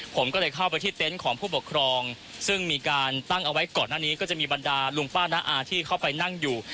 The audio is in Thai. ผมก็เลยเข้าไปที่เต็นต์ของผู้ปกครองซึ่งมีการตั้งเอาไว้ก่อนหน้านี้ก็จะมีบรรดาลุงป้าน้าอาที่เข้าไปนั่งอยู่